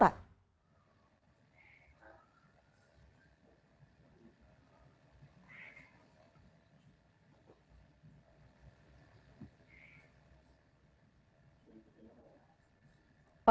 tapi di sini juga sudah ada penyelesaian pengetatan